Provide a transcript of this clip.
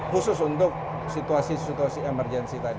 khusus untuk situasi situasi emergensi tadi